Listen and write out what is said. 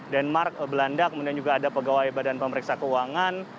denmark belanda kemudian juga ada pegawai badan pemeriksa keuangan